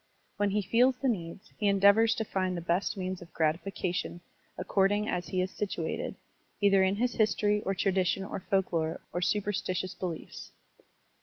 When he feds the needs, he endeavors to find the best means of gratification according as he is situated, either in his history or tradition or folklore or superstitious beliefs.